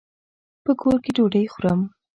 په کور کي ډوډۍ خورم.